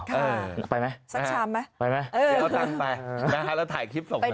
ค่ะสักชามมั้ยไปมั้ยเอาตังไปอยากให้เราถ่ายคลิปส่งกันด้วย